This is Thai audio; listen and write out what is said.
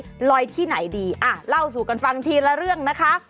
มันลอยที่ไหนดีอ่ะเล่าสู่กันฟังทีละเรื่องนะคะ